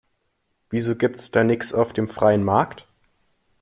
Wieso gibt's da nix auf dem freien Markt?